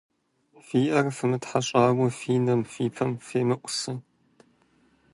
Фи Ӏэр фымытхьэщӀауэ фи нэм, фи пэм фемыӀусэ.